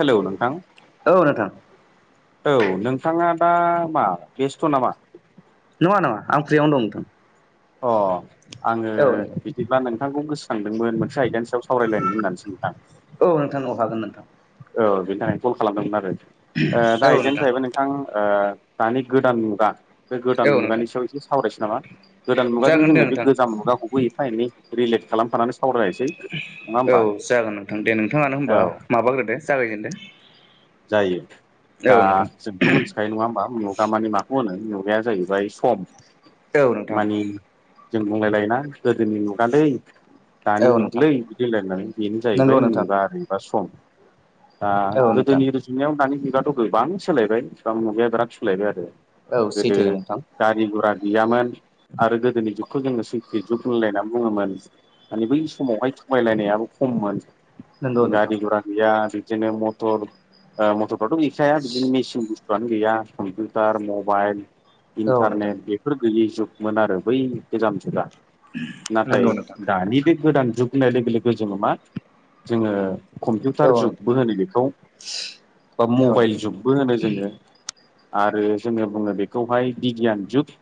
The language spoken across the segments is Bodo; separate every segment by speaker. Speaker 1: हेलौ नोंथां
Speaker 2: औ नोंथां
Speaker 1: औ नोंथाङा दा मा बेस्थ' नामा?
Speaker 2: नङा नङा आं प्रिआवनो दं नोंथां।
Speaker 1: अ आङो बिदिब्ला नोंथांखौ गोसोखांदोंमोन मोनसे आयदानि सायाव सावरायलायदोंमोन होननानै सों [unintelligible]
Speaker 2: औ नोंथांनाव हागोन नोंथां
Speaker 1: बेनि थाखाय कल खालामदोंमोन आरो दा बेदिनो जाहैबाय नोंथां दानि गोदान मुगा बे गोदान
Speaker 2: औ नोंथां
Speaker 1: मुगानि सायाव एसे सावरायसै नामा गोदान मुगाजों
Speaker 2: जागोन दे
Speaker 1: जोङो बे
Speaker 2: नोंथां
Speaker 1: गोजाम मुगाखौबो एफा एनै रिलेट खालामफानानै सावरायनोसै नङा
Speaker 2: औ
Speaker 1: होमबा
Speaker 2: जागोन नोंथां दे नोंथाङानो होनबा
Speaker 1: औ
Speaker 2: माबाग्रोदो जागायजेनदो
Speaker 1: जायो दा
Speaker 2: औ नोंथां
Speaker 1: जोंथ' मोनथिखायो नङा होमबा नआव दामानि माखौ होनो मुगाया जाहैबाय सम
Speaker 2: औ नोंथां
Speaker 1: मानि जों बुंलायलायोना गोदोनि मुगालै
Speaker 2: औ
Speaker 1: दानि
Speaker 2: नोंथां
Speaker 1: जुगलै बिदिहोनलायनानै बेनो
Speaker 2: नंगौ
Speaker 1: जाहैबाय
Speaker 2: नोंथां
Speaker 1: मुगा एबा सम दा
Speaker 2: औ नोंथां
Speaker 1: गोदोनि रुजुनायाव दानि बिुगाथ' गोबां सोलायबाय गोबां मुगाया बिराद सोलायबाय आरो।
Speaker 2: औ
Speaker 1: गोदो
Speaker 2: सैथो नोंथां
Speaker 1: गारि गुरा गैयामोन आरो गोदोनि जुगखौ जोङो सैखि जुग होनलायनानै बुङोमोन। माने बै समावहाय थगायलायनायाबो खममोन
Speaker 2: नंगौ नोंथां
Speaker 1: गारि घरा गैया बिदिनो मथर ओ मटरफोराथ' गैखाया बिदिनो मेसिन बुस थुआनो गैया कम्पिउटार मबाइल
Speaker 2: औ नोंथां
Speaker 1: इन्टारनेट बेफोर गैयै जुग मोन आरो बै गोजाम जुगा
Speaker 2: नंगौ
Speaker 1: नाथाय
Speaker 2: नोंथां
Speaker 1: दानि बे गोदान जुग होननाय लोगो लोगो जोङो मा जोङो
Speaker 2: औ
Speaker 1: कम्पिउटार
Speaker 2: नोंथां
Speaker 1: जुगबो होनो बेखौ बा मबाइल जुगबो होनो जोङो आरो जोङो बुङो बेखौहाय बिगियान जुग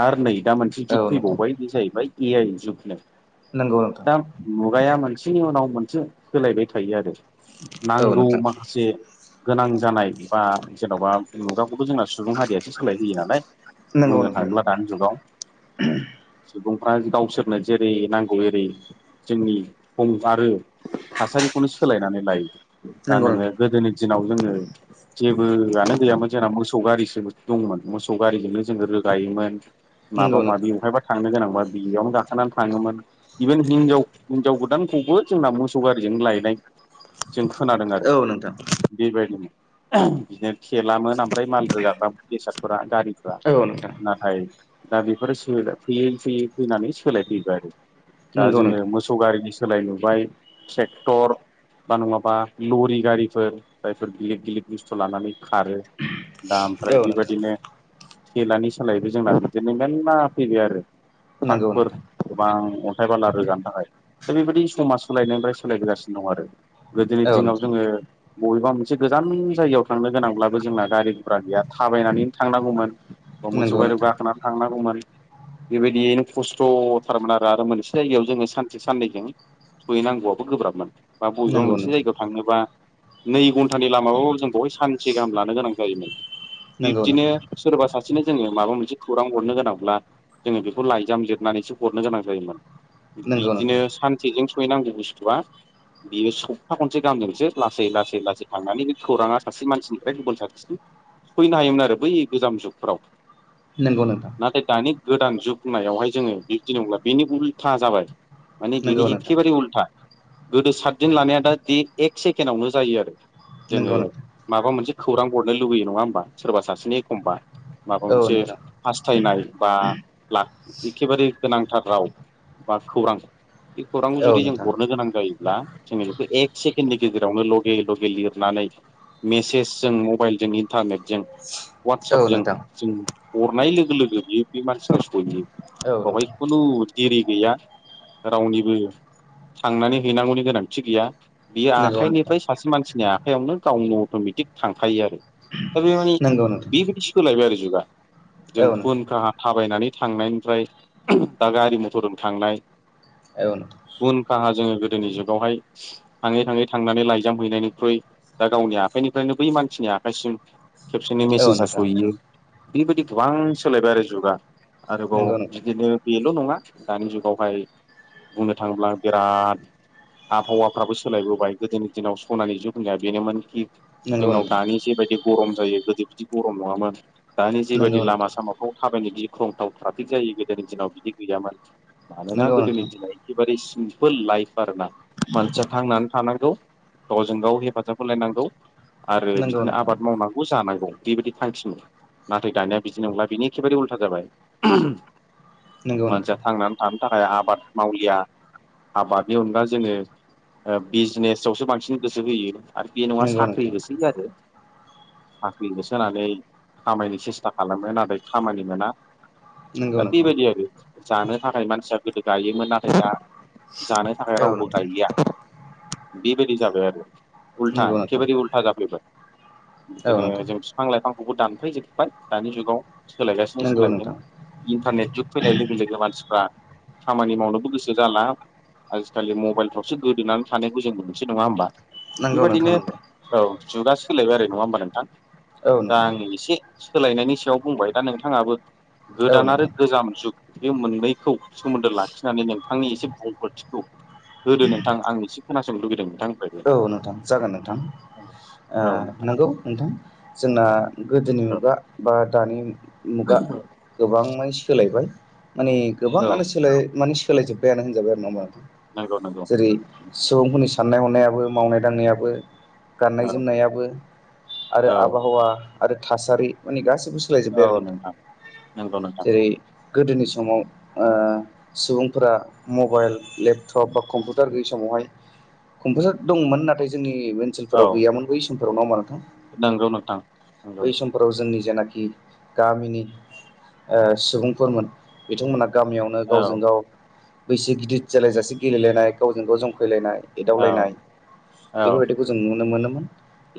Speaker 1: आरो नै दा मोनसे
Speaker 2: औ नोंथां
Speaker 1: जुग
Speaker 2: औ नोंथां
Speaker 1: फैबावबाय बे जाहैबाय ए आइ जुगनो।
Speaker 2: नंगौ नोंथां।
Speaker 1: दा मुगाया मोनसेनि उनाव मोनसे होलायबाय थायो आरो
Speaker 2: औ
Speaker 1: नांगौ
Speaker 2: नोंथां
Speaker 1: माखासे गोनां जानाय बा जेन'बा मुगाखौथ' जोंना सुबुं हारियासो सोलाय होयो नालाय।
Speaker 2: नंगौ
Speaker 1: बुंनो
Speaker 2: नोंथां
Speaker 1: थाङोब्ला दानि जुगाव सुबुं आ गावसोरनो जेरै नांगौ एरै जोंनि थं आरो थासारिखौनो सोलायनानै लायो दा
Speaker 2: नंगौ
Speaker 1: नोङो
Speaker 2: नोंथां
Speaker 1: गोदोनि दिनाव जोङो जेबोआनो गैयामोन जोंना मोसौ गारिसो दंमोन मोसौ गारिजोंनो जोङो रोगायोमोन माबा
Speaker 2: नंगौ नोंथां
Speaker 1: माबि अहायबा थांनो गोनांबा बेयावनो गाखोनानै थाङोमोन इभेन हिनजाव हिनजाव गोदानखौबो जोंना मोसौ गारिजों लायनाय जों खोनादों आरो
Speaker 2: औ नोंथां
Speaker 1: बेबायदिमोन बिदिनो थेलामोन ओमफ्राय माल रोगाग्रा बेसादफोरा गारि फ्रा
Speaker 2: औ नोंथां
Speaker 1: नाथाय दा बेफोरो फैयै फैयै फैनानै सोलायफैबाय आरो दा
Speaker 2: नंगौ
Speaker 1: जोङो
Speaker 2: नोंथां
Speaker 1: मोसौ गारिनि स सोलाय नुबाय ट्रेक्टर बा नङाबा लरि गारिफोर जायफोर गिलिद गिलिद बुस्थु लानानै खारो दा ओमफ्राय
Speaker 2: औ नोंथां
Speaker 1: बेबायदिनो थेलानि सोलायबो जोंना बिदिनो मेरला फैबाय आरो
Speaker 2: नंगौ
Speaker 1: थ्रागफोर
Speaker 2: नोंथां
Speaker 1: गोबां अन्थाय बाला रोगानि थाखाय दा बेबायदि समाज सोलायनायनिफ्राय सोलायबोगासिनो दं आरो। गोदोनि
Speaker 2: औ
Speaker 1: दिङाव
Speaker 2: नोंथां
Speaker 1: जोङो बबेबा मोनसे गोजान जायगायाव थांनो गोनांब्लाबो जोंना गारि गुरा गैया थाबायनानैनो थांनांगौमोन। मोसौ
Speaker 2: नंगौ
Speaker 1: गारियाव
Speaker 2: नोंथां
Speaker 1: गाखोना थांनांगौमोन। बेबायदियैनो खस्थ'थारमोन आरो आरो मोनसे जायगायाव जोङो सानसे साननैजों सहैनांगौआबो गोब्राबमोन बा बबेबा
Speaker 2: नंगौ
Speaker 1: मोनसे
Speaker 2: नोंथां
Speaker 1: जायगायाव थाङोबा नै घन्टानि लामाबाबो जों बेहाय सानसे गाहाम लानो गोनां जायोमोन।
Speaker 2: नंगौ
Speaker 1: बिब्दिनो
Speaker 2: नोंथां
Speaker 1: सोरबा सास सेनो जोङो माबा मोनसे खौरां हरनो गोनांब्ला जोङो बेखौ लाइजाम जिरनानैसो हरनो गोनां जायोमोन।
Speaker 2: नंगौ
Speaker 1: बिदिनो
Speaker 2: नोंथां
Speaker 1: सानसेजों सहैनांगौ बुस्थुआ बियो सब्था खनसे गाहामजोंसो लासै लासै लासै थांनानै बे खौराङा सासे मानसिनिफ्राय गुबुन सासेसिम सहैनो हायोमोन आरो बै गोजाम जुगफोराव।
Speaker 2: नंगौ नोंथां।
Speaker 1: नाथाय दानि गोदान जुगहोननायावहाय जोङो बिदि नंला बेनि उल्था जाबाय। माने बिनि
Speaker 2: नंगौ नोंथां
Speaker 1: एखेबारे उल्था गोदो सातदिन लानाया दा एक सेकेणडावनो जायो आरो। जोङो
Speaker 2: नंगौ नोंथां
Speaker 1: माबा मोनसे खौरां हरनो लुबैयो नङा होमबा सोरबा सासेनि एखमबा माबा
Speaker 2: औ
Speaker 1: मोनसे
Speaker 2: नोंथां
Speaker 1: हास्थायनाय बा एखेबारे गोनांथार राव बा खौरां बे खौरांखौ
Speaker 2: औ
Speaker 1: जुदि जों
Speaker 2: नोंथां
Speaker 1: हरनो गोनां जायोब्ला जोङो बेखौ एक सेकेण्ड नि गेजेरावनो लगे लगे लिरनानै मेसेजजों मबाइलजों इन्टारनेटजों
Speaker 2: औ
Speaker 1: वाट्सपजों
Speaker 2: नोंथां
Speaker 1: जों हरनाय लोगो लोगो बियो बे मानसिन सहैयो।
Speaker 2: औ
Speaker 1: बावहाय
Speaker 2: नोंथां
Speaker 1: खुनु दिरि गैया रावनिबो थांनानै हैनांगौनि गोनांथि गैया। बियो
Speaker 2: नंगौ नोंथां
Speaker 1: आखाइनिफ्राय सासे मानसिनि आखाइयावनो गावनि अट'मेटिक थांखायो आरो। दा बे माने
Speaker 2: नंगौ नोंथां
Speaker 1: बेबायदि सोलायबाय आरो जुगा जों
Speaker 2: औ नोंथां
Speaker 1: उनखाहा थाबायनानै थांनायनिफ्राय दा गारि मथरजों थांनाय
Speaker 2: औ
Speaker 1: गुन खाहा जोङो गोदोनि जुगावहाय थाङै थाङै थांनानै लाइजाम हैनायनिख्रुइ दा गावनि आखाइनिफ्रायनो बै मानसिनि आखाइसिम खेबसेनो
Speaker 2: नोंथां औ
Speaker 1: मेसेजआ
Speaker 2: नोंथां
Speaker 1: सहैयो। बेबायदि गोबां सोलायबाय आरो जुगा। आरोबाव
Speaker 2: नंगौ नोंथां
Speaker 1: बिदिनो बे 'नङा दानि जुगावहाय बुंनो थाङोब्ला बिराद आबहावा। फ्राबो सोलायबोबाय गोदोनि दिनाव सनानि जखनिा बेनोमोन कि
Speaker 2: नंगौ
Speaker 1: जोंनाव
Speaker 2: नोंथां
Speaker 1: दानि जेबायदि गरम जायो गोदो बिदि गरम नङामोन। दानि जेबायदि
Speaker 2: नंगौ
Speaker 1: लामा
Speaker 2: नोंथां
Speaker 1: सामाफ्राव थाबायनो बि ख्रंथाव ट्राफिक जायो। गोदोनि दिनाव बिदि गैयामोन मानोना
Speaker 2: नंगौ
Speaker 1: गोदोनि
Speaker 2: नोंथां
Speaker 1: दिनाव एखेबारे सिन लाइफ आरोना मानसिया थांनानै थानांगौ गावजों गाव हेफाजाब होलायनांगौ। आरो
Speaker 2: नंगौ
Speaker 1: बिदिनो
Speaker 2: नोंथां
Speaker 1: आबाद मावनांगौ जानांगौ। बेबायदि फांसिमोन नाथाय दानाया बिदिनो नंला बिनि एखेबारे उल्था जाबाय।
Speaker 2: नंगौ नोंथां
Speaker 1: मानसिया थांनानै थानो थाखाय आबाद मावलिया। आबादनि अनगा जोङो बिजनेसावसो बांसिन गोसो होयो आरो बे नङा
Speaker 2: नंगौ
Speaker 1: साख्रि
Speaker 2: नोंथां
Speaker 1: होसै आरो। साख्रिखौसोनानै खामायनो सेस्था खालामो नाथाय खामानि मोना।
Speaker 2: नंगौ
Speaker 1: दा
Speaker 2: नोंथां
Speaker 1: बेबायदि आरो जानो थाखाय मानसिया गोदो गायोमोन नाथाय दा जानो थाखाय
Speaker 2: औ
Speaker 1: रावबो
Speaker 2: नोंथां
Speaker 1: गायलिया। बेबायदि जाबाय आरो उल्था
Speaker 2: नंगौ नोंथां
Speaker 1: एखेबारे उल्था जाफायबाय।
Speaker 2: औ
Speaker 1: बिदिनो
Speaker 2: नोंथां
Speaker 1: जों बिफां लाइफांखौबो दानफैजोबबाय दानि जुगाव सोलायगासिनो
Speaker 2: नंगौ
Speaker 1: सोलायदों
Speaker 2: नोंथां
Speaker 1: इन्टारनेट जुग। फैनाय लोगो लोगो मानसिफ्रा खामानि मावनोबो गोसो जाला आजिखालि मबाइल थ सो गोदोनानै थानायखौ जोंबो मोनसै नङा होमबा।
Speaker 2: नंगौ नोंथां
Speaker 1: बेबायाददिनो
Speaker 2: नंगौ
Speaker 1: औ। जुगा सोलायबाय आरो नङा होमबा नोंथां।
Speaker 2: औ
Speaker 1: दा
Speaker 2: नोंथां
Speaker 1: आं एसे सोलायनायनि सायाव बुंबाय। दा नोंथाङाबो
Speaker 2: औ
Speaker 1: गोदान आरो
Speaker 2: नोंथां
Speaker 1: गोजाम जुग बे मोननैखौ सोमोन्दो लाखिनानै नोंथांनि एसे बुंग्रथिखौ होदो नोंथां आं एसे खोनासानो लुबगैदों नोंथां।
Speaker 2: औ नोंथां जागोन नोंथां ओ
Speaker 1: औ नोंथां
Speaker 2: नंगौ नोंथां जोंना गोदोनि
Speaker 1: औ
Speaker 2: मुगा बा दानि मुगा गोबांमानि सोलायबाय। माने
Speaker 1: औ
Speaker 2: गोबाङानो सोलायबाइ माने सोलायजोब्बायानो होनजाबाय आरो नङा होमबा।
Speaker 1: नंगौ नंगौ
Speaker 2: जेरै सुबुंफोरनि साननाय हनायाबो मावनाय दांनायाबो गाननाय
Speaker 1: औ
Speaker 2: जोमनायाबो आरो
Speaker 1: औ
Speaker 2: आबहावा आरो थासारि माने गासैबो गासैबो सोलाय जोब्बाय आरो नोंथां
Speaker 1: नंगौ नोंथां
Speaker 2: जेरै गोदोनि समाव ओ सुबुंफोरा मबाइल लेपटब लेपटप बा कम्पिउटार गयै समावहाय कम्पिउटार दंमोन नाथाय जोंनि
Speaker 1: औ
Speaker 2: ओनसोलाव गैयामोन बै समाव
Speaker 1: नंगौ नोंथां नंगौ
Speaker 2: बै समफोराव जोंनि जेनाखि गामिनि ओ सुबुंफोरमोन बिथांमोना गामियावनो
Speaker 1: औ
Speaker 2: गावजों गाव बैसो गिदिर जालायजासे गेलेलायनाय गावजों गाव जंखायलायनाय
Speaker 1: औ
Speaker 2: एदावलायनाय
Speaker 1: औ
Speaker 2: बेफोरबायदिखौ जों नुनो मोनोमोन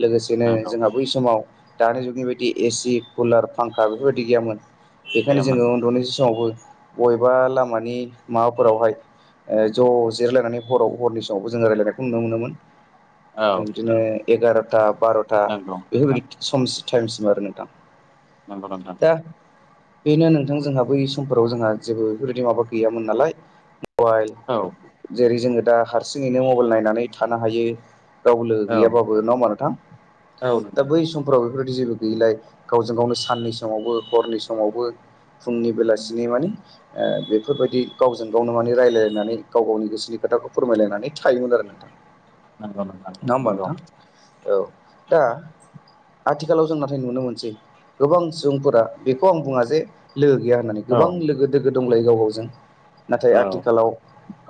Speaker 2: लोगोसेनो
Speaker 1: नंगौ
Speaker 2: जोंहा बै समाव दानि जुगनि बायदि एसि कुलार फांखा बेफोरबायदि गैयामोन बेखायनो
Speaker 1: गैयामोन
Speaker 2: जोङो उन्दुनाय समावबो बबेबा लामानि माबाफोरावहाय ओ ज' जिरायलायनानै हराव हरनि समावबो जोङो रायज्लायनायखौ नुनो मोनोमोन।
Speaker 1: औ
Speaker 2: जों बिदिनो एगार'था बार'था
Speaker 1: नंगौ नोंथां
Speaker 2: बेफोरबायदि सम टायेमसिम आरो नोंथां।
Speaker 1: नंगौ नोंथां।
Speaker 2: दा बेनो नोंथां जोंहा बै समफोराव जोंहा जेबो बेफोरबायदि माबा गैयामोन नालाय मबायेल
Speaker 1: औ
Speaker 2: जेरै जोङो दा हारसिङैनो मबायेल नायनानै थानो हायो। गाव लोगो
Speaker 1: औ
Speaker 2: गैयाबाबो नङा होनबा नोंथां
Speaker 1: औ
Speaker 2: दा
Speaker 1: नोंथां
Speaker 2: बै समफ्राव बेफोरदि जेबो गैयैलाय गावजों गावनो साननि समावबो हरनि समावबो फुंनि बेलासिनि
Speaker 1: नंगौ
Speaker 2: माने ओ बेफोरबायदि गावजों गावनो माने रायलायलायनानै गाव गावनि गोसोनि खोथाखौ फोरमायलायनानै थायोमोन आरो नोंथां।
Speaker 1: नंगौ नोंथां
Speaker 2: नङा होमबा
Speaker 1: नंगौ।
Speaker 2: नोंथां औ दा आथिखालाव जों नाथाय नुनो मोनसै गोबां सुबुंफोरा बेखौ आं बुङा जे लोगो गैया होननानै
Speaker 1: औ
Speaker 2: गोबां लोगो दोगो दंलाय गाव गावजों नाथाय
Speaker 1: औ
Speaker 2: आथिखालाव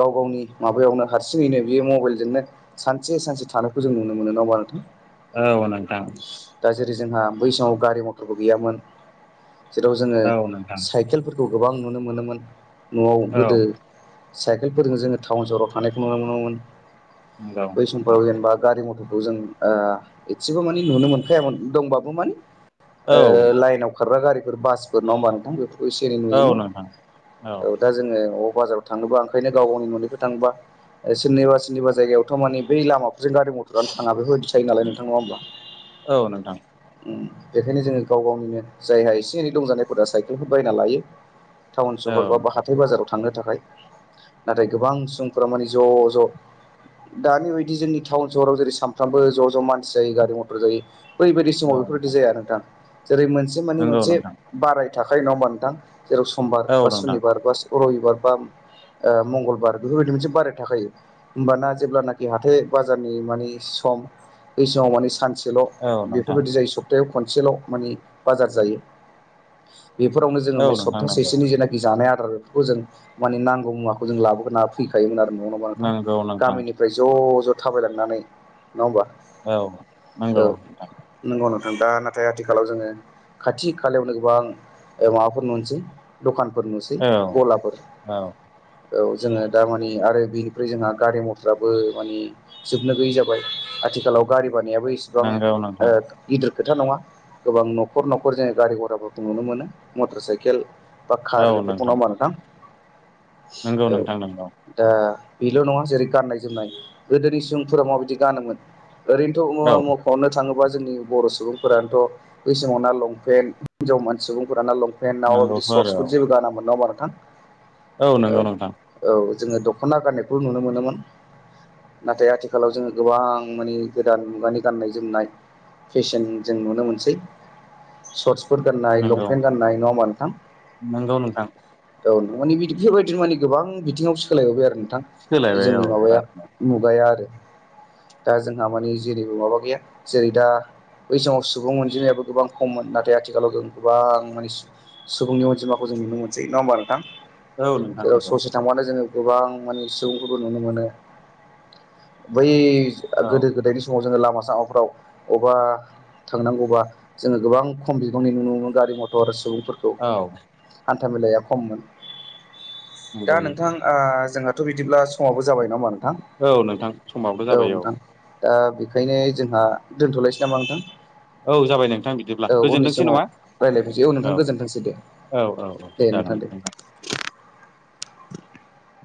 Speaker 2: गाव गावनि माबायावनो हारसिङैनो बे मबायेलजोंनो सानसे-सानसे थानायखौ जों नुनो मोनो नङा होमबा नोंथां।
Speaker 1: औ नोंथां।
Speaker 2: दा जेरै जोंहा बै समाव गारि मथरबो गैयामोन जेराव जोङो
Speaker 1: औ नोंथां
Speaker 2: सायकेलफोर खौ गोबां नुनो मोनोमोन न'आव
Speaker 1: औ
Speaker 2: गोदो सायकेलफोरजों जोङो टाउन सहराव थांनायखौ नुनो मोनोमोन
Speaker 1: नंगौ
Speaker 2: बै
Speaker 1: नोंथां
Speaker 2: समफ्राव जेनेबा गारि मथर बेखौ जों ओ एसेबो मानै नुनो मोनखायामोन दंबाबो माने
Speaker 1: औ
Speaker 2: ओ लायेनाव खारग्रा गारिफोर बासफोर नङा होनबा नोंथां [unintelligible]
Speaker 1: औ
Speaker 2: नुयोमोन
Speaker 1: नोंथां
Speaker 2: औ दा जोङो बाजाराव थाङोबा ओंखायनो गाव गावनि न'निखौ थोबा सोरनिबा सोरनि जायगायावथ' माने बै लामा जों गारि मथरानो थाङा बेफोरबायदि थायो नालाय नोंथां नङा होमब्ला।
Speaker 1: औ नोंथां
Speaker 2: बेखायनो जोङो गाव गावनिनो जायहा एसे एनै दंजानायफोरा साइकेलखौ बायना लायो। टाउन सहर
Speaker 1: औ
Speaker 2: बा
Speaker 1: नोंथां
Speaker 2: हाथाय बाजाराव थांनो थाखाय नाथाय गोबां सुबुंफोरा माने ज'-ज' दानि बायदि जोंनि टाउन सहराव जेरै सानफ्रामबो ज'-ज' मानसि जायो गारि मथर जायो ओरैबायदि
Speaker 1: औ
Speaker 2: समाव बेफोरबायदि
Speaker 1: नोंथां
Speaker 2: जाया नोंथां जेरै मोनसे मानि
Speaker 1: नंगौ
Speaker 2: मोनसे
Speaker 1: नोंथां
Speaker 2: बाराय थाखाय नङा होमबा नोंथां। जेराव समबार
Speaker 1: औ
Speaker 2: बा
Speaker 1: नोंथां
Speaker 2: सुनिबार बा रबिबार बा ओ मंगलबार बेफोरबायदि मोनसे बाराय थाखायो। होमबाना जेब्लानाखि हाथाय बाजारनि माने सम बै समाव माने सानसे खनसेल'
Speaker 1: औ नोंथां
Speaker 2: बेफोरबायदि जायो सप्तायाव खनसेल' माने बाजार जायो। बेफोरावनो जोङो
Speaker 1: औ नोंथां नंगौ
Speaker 2: सप्तासेनि जेनाखि जानाया आरो जों माने नांगौ मुवाखौ जों लाबोगोन फैखायोमोन आरो नङा होमबा नोंथां।
Speaker 1: नंगौ नोंथां
Speaker 2: गामिनिफ्राय ज' ज' थाबायलांनानै नङा होमबा
Speaker 1: औ
Speaker 2: औ
Speaker 1: नंगौ नोंथां
Speaker 2: नंगौनो नं दा नाथाय आथिखालाव जोङो खाथि खालायावनो गोबां माबाफोर नुनोसै दखान फोर नुसै
Speaker 1: औ
Speaker 2: गलाफोर
Speaker 1: औ
Speaker 2: औ जोङो दा माने आरो बेनिफ्राय जोंहा गारि मथराबो मानि जोबनो गैयै जाबाय आथिखालाव गारि जानायाबो इसेबां
Speaker 1: नंगौ नोंथां
Speaker 2: गिदिर खोथा नङा गोबां न'खर न'खर जोङो गारि घराफोरखौ नुनो मोनो मटर साइकेल बा खार बेर बेफोरखो नोंआ ओमब्बा नोंथां
Speaker 1: नंगौ
Speaker 2: औ
Speaker 1: नोंथां नंगौ
Speaker 2: दा बेल' नङा जेरै गाननाय जोमनाय गोदोनि सुबुंफोरा माबायदि गानोमोन ओरैनोथ'
Speaker 1: औ
Speaker 2: ङ मख'नो थाङो जोंनि बर' सुबुंफोरानोथ' बै समाव ना लंपेन हिनजाव म सुबुंफोर लंपेन लंपेन नाउ बिदि
Speaker 1: नंगौथ' आरो
Speaker 2: सर्टसफोर
Speaker 1: औ
Speaker 2: जेबो गाना मोनो हबा नोंथां
Speaker 1: औ नंगौ नोंथां।
Speaker 2: औ जोङो दख'ना गाननायखौ नुनो मोनोमोन। नाथाय आथिखालाव जोङो गोबां मानि गोदान मुगानि गाननाय जोमनाय फेसन जों नुनो मोनसै सरस सुट गान्नाय
Speaker 1: नंगौ
Speaker 2: लंपेन्ट गाननाय नंआ ओमबा नोथां
Speaker 1: नंगौ नोंथां
Speaker 2: औ माने बिदि बेफोरबायदिनो माने गोबां बिथिङाव सोलायबाय आरो नोंथां।
Speaker 1: सोलायबाय औ
Speaker 2: जोंनि माबाया
Speaker 1: बिरादनो
Speaker 2: मुगाया आरो
Speaker 1: [inaudible]
Speaker 2: दा जोंहा मानि जेरैबो माबा गैया जेरै दा बै समाव सुबुं अनजिमायाबो गोबां खममोन नाथाय आथिखालाव जों गोबां माने सुबुं-सुबुंनि अनजिमाखौ जों नुनो मोनसै नङा होमबा नोंथां
Speaker 1: औ नोंथां
Speaker 2: जेराव
Speaker 1: नंगौ
Speaker 2: ससे थांबानो जोङो गोबां माने सुबुं नुनो मोनो बै
Speaker 1: औ
Speaker 2: गोदो गोदायनि समाव जोङो लामा टाउनफोराव अबा थांनांगौबा जोङो गोबां खम बिगांनि नुनो मोनो गारि मथर सुबुं फोरखै
Speaker 1: औ
Speaker 2: हान्था मेलाया खममोन दा
Speaker 1: नंगौ नंगौ
Speaker 2: नोंथां आ थ' बिदिब्ला समावबो जाबाय नामा
Speaker 1: औ नोंथां समाबो जाबाय औ
Speaker 2: दा बेखायनो जोंहा दोनथ'लायसै नामा नोंथां
Speaker 1: औ जाबाय नोंथां बिदिब्ला
Speaker 2: औ उननि
Speaker 1: गोजोनथोंसै
Speaker 2: समाव
Speaker 1: नामा
Speaker 2: रायलायफिनसै औ नोंथां गोजोनथांसै दे।
Speaker 1: औ औ औ
Speaker 2: दे
Speaker 1: जागोन
Speaker 2: दे
Speaker 1: नोंथां।